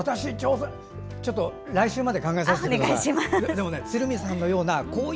来週まで考えさせてください。